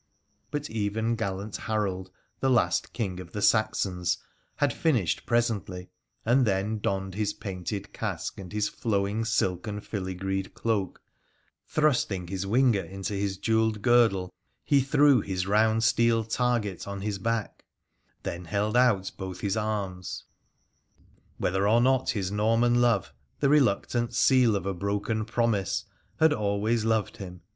But even gallant Harold, the last King of the Saxons, had finished presently, and then donned his pointed casque and hia ?0 WONDERFUL ADVENTURES OF flowing silken filigreed cloak, thrusting his whinger into hia jewelled girdle, he threw his round steel target on his back then held out both his arms. Whether or not his Norman love, the reluctant seal of a broken promise, had always loved him.